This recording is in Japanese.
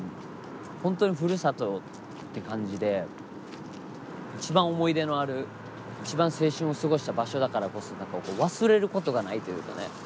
本当にふるさとって感じで一番思い出のある一番青春を過ごした場所だからこそ忘れることがないというかね。